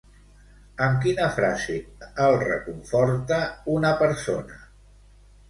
Amb quina frase el reconforta una persona?